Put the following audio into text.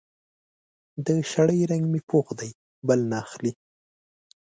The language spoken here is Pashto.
د شړۍ رنګ مې پوخ دی؛ بل نه اخلي.